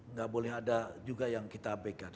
nggak boleh ada juga yang kita back out